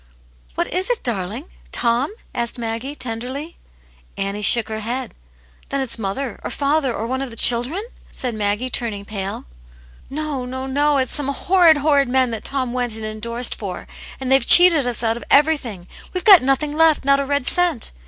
"What is it, darling? Tom?" asked Maggie, tenderly. Annie shook her head. "^Then it's mother — or father — or one of the children,'* said Maggie, turning pale. "No, no, no; it's some horrid, horrid men that Tom went and endorsed for. And they've cheated us out of everything. We've got nothing left, not a red cent."